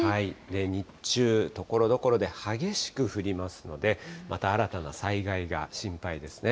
日中、ところどころで激しく降りますので、また新たな災害が心配ですね。